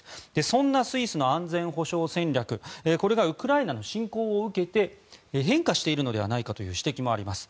そんなスイスの安全保障戦略がウクライナの侵攻を受けて変化しているのではないかという指摘もあります。